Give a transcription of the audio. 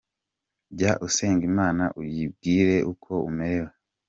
Jya usenga Imana uyibwira uko umerewe.